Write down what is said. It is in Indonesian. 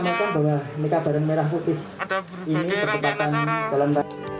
itu unik karena banyak perkenalan